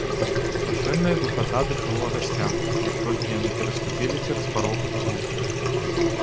Страшэнная духата дыхнула гасцям, як толькі яны пераступілі цераз парог гуты.